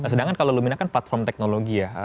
sedangkan kalau lumina kan platform teknologi ya